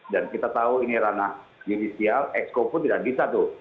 dan kita tahu ini ranah judicial expo pun tidak bisa tuh